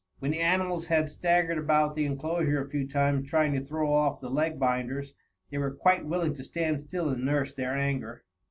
When the animals had staggered about the enclosure a few times trying to throw off the leg binders, they were quite willing to stand still and nurse their anger.